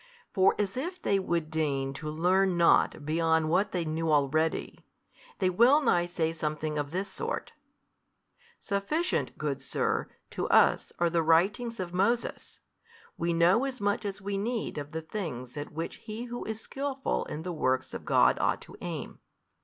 For as if they would deign to learn nought beyond what they knew already, they well nigh say something of this sort, Sufficient, good Sir, to us are the writings of Moses: we know as much as we need of the things at which he who is skilful in the works of God ought to aim.